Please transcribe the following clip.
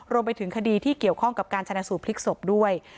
รวมไปถึงคดีที่เกี่ยวข้องกับการชนะสูตรพลิกศพด้วย